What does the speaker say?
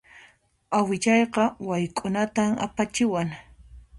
Awichayqa wayk'unatan apachiwan.